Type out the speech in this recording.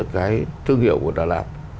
cái thương hiệu của đà lạt